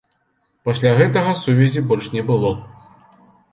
Пасля гэтага сувязі больш не было.